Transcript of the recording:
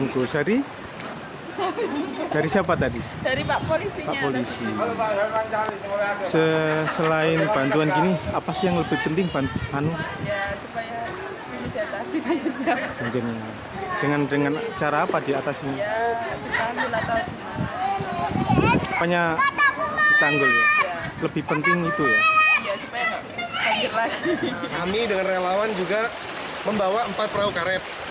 kami dengan relawan juga membawa empat perahu karet